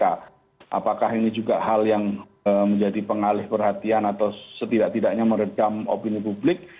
apakah ini juga hal yang menjadi pengalih perhatian atau setidak tidaknya meredam opini publik